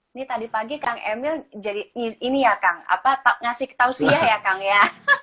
ini tadi pagi kang emil jadi ini ya kang apa tak ngasih ketahu siya ya kang ya